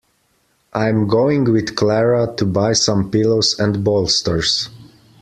I'm going with Clara to buy some pillows and bolsters.